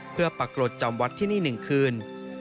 เพื่อปรากฏจำวัดที่นี่๑คืน